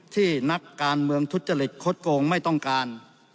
ที่นักการเมืองทุจริตคดโกงไม่ต้องการ